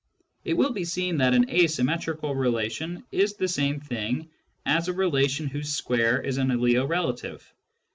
It will be seen that an asymmetrical relation is the same thing as a relation whose square is an aliorelative.